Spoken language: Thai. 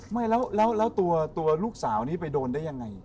ไม่แล้วตัวลูกสาวนี้ไปโดนได้ยังไง